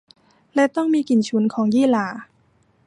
และต้องมีกลิ่นฉุนของยี่หร่า